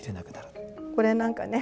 これなんかね